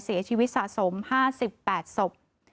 เสียชีวิตสะสม๕๘ศพ